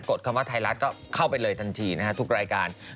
คือถอดคำว่าไทยลัดก็เข้าไปเลยทันทีทุกรายการ